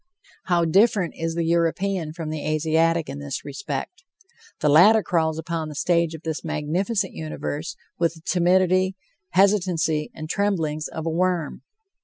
How different is the European from the Asiatic in this respect! The latter crawls upon the stage of this magnificent universe with the timidity, hesitancy and tremblings of a worm.